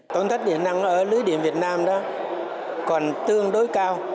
tổn thất điện năng ở lưới điện việt nam còn tương đối cao